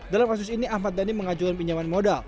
dalam kasus ini ahmad dhani mengajukan pinjaman modal